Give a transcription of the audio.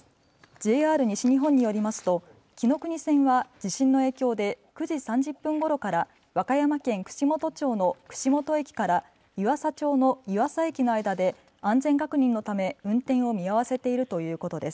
ＪＲ西日本によりますときのくに線は地震の影響で９時３０分ごろから和歌山県串本町の串本駅から湯浅町の湯浅駅の間で安全確認のため運転を見合わせているということです。